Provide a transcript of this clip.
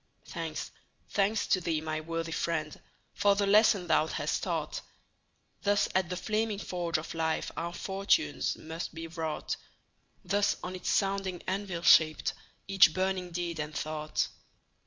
Thanks, thanks to thee, my worthy friend, For the lesson thou hast taught! Thus at the flaming forge of life Our fortunes must be wrought; Thus on its sounding anvil shaped Each burning deed and thought.